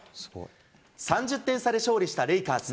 ３０点差で勝利したレイカーズ。